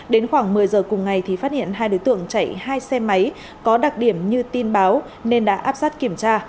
đến khoảng một mươi giờ cùng ngày thì phát hiện hai đối tượng chạy hai xe máy có đặc điểm như tin báo nên đã áp sát kiểm tra